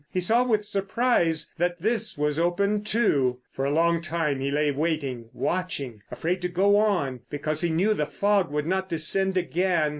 He saw with surprise that this was open too. For a long time he lay waiting, watching, afraid to go on—because he knew the fog would not descend again.